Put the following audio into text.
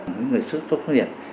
mấy người xuất xuất nhiệt